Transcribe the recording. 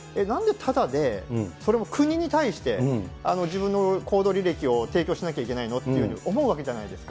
ただでそれも国に対して、自分の行動履歴を提供しなきゃいけないのって思うわけじゃないですか。